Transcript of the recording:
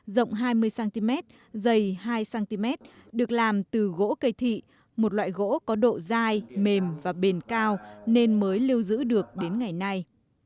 rộng hai mươi cm dày hai cm được làm từ gỗ cây thị một loại gỗ có độ dai mềm và bền cao nên mới lưu giữ được đến ngày nay